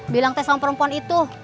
bilang tes sama perempuan itu